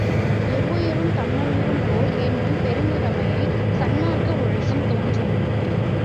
எவ்வுயிரும் தம்முயிர் போல் எண்ணும் பெருந்தகைமை, சன்மார்க்க ஒழுக்கம் தோன்றும்.